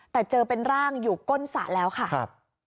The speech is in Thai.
แต่เจอเป็นร่างอยู่ก้นสระแล้วค่ะครับ